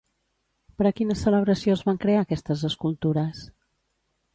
Per a quina celebració es van crear aquestes escultures?